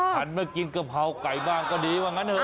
หันมากินกะเพราไก่บ้างก็ดีว่างั้นเถ